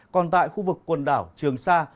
còn tại khu vực quần đảo trường sa